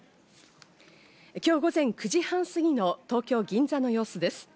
今日午前９時半過ぎの東京・銀座の様子です。